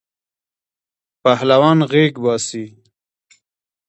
پهلوان غیږ باسی.